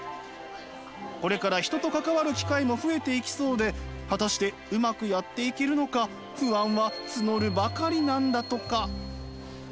これから人と関わる機会も増えていきそうで果たしてうまくやっていけるのか不安は募るばかりなんだとか。